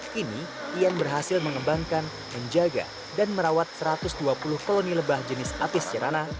kini ian berhasil mengembangkan menjaga dan merawat satu ratus dua puluh koloni lebah jenis apis sirana